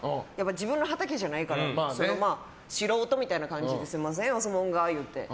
自分の畑じゃないから素人みたいな感じですんません、よそもんがって。